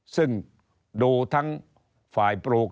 ซึ่งดูทั้งฝ่ายปลูก